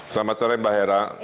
selamat sore mbak hera